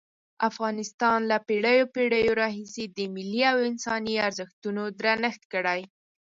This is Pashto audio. افغانستان له پېړیو پېړیو راهیسې د ملي او انساني ارزښتونو درنښت کړی.